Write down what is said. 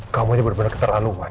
kamu ini bener bener keterlaluan